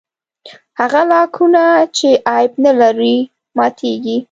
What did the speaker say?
هغه لاکونه چې عیب نه لري ماتېږي.